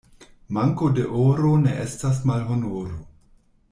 Manko de oro ne estas malhonoro.